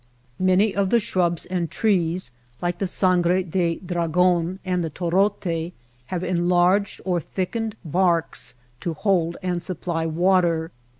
Many of the shrubs and trees like the sangre de dragon and the torote have enlarged or thickened barks to hold and supply water.